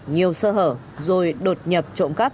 nhiều sơ hở rồi đột nhập